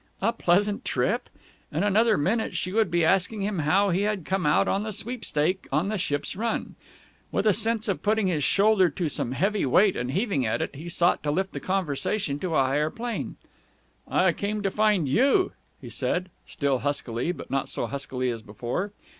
A pleasant trip! In another minute she would be asking him how he had come out on the sweepstake on the ship's run. With a sense of putting his shoulder to some heavy weight and heaving at it, he sought to lift the conversation to a higher plane. "I came to find you!" he said; still huskily but not so huskily as before.